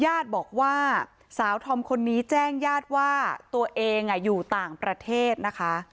ญาติบอกว่าสาวธอมคนนี้แจ้งญาติว่าตัวเองอยู่ต่างประเทศนะคะ